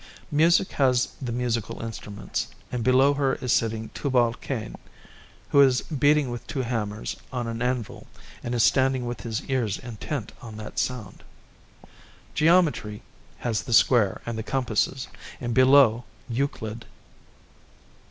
Music has the musical instruments, and below her is sitting Tubal Cain, who is beating with two hammers on an anvil and is standing with his ears intent on that sound. Geometry has the square and the compasses, and below, Euclid.